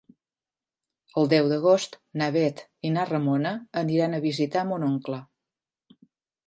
El deu d'agost na Bet i na Ramona aniran a visitar mon oncle.